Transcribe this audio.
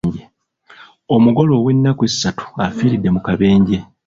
Omugole ow'ennaku essatu afiiridde mu kabenje.